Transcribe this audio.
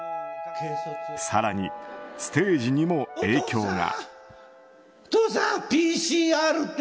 更にステージにも影響が。